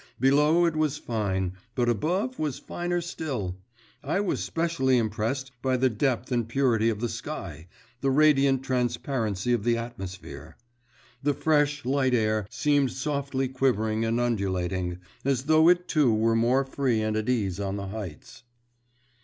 Below it was fine, but above was finer still; I was specially impressed by the depth and purity of the sky, the radiant transparency of the atmosphere. The fresh, light air seemed softly quivering and undulating, as though it too were more free and at ease on the heights.